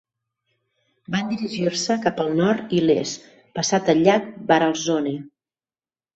Van dirigir-se cap al nord i l'est passat el llac Baralzone.